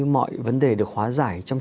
một hạnh phúc riêng không